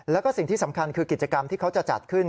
แล้วก็สิ่งที่สำคัญคือกิจกรรมที่เขาจะจัดขึ้น